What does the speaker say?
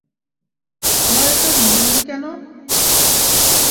আমার এসব মনে নেই কেন?